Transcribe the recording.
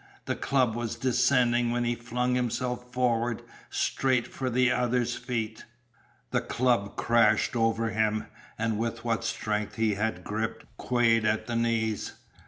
The club was descending when he flung himself forward, straight for the other's feet. The club crashed over him, and with what strength he had he gripped Quade at the knees.